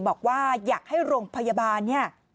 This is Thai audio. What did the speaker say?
บอกว่าอยากให้โรงพยาบาล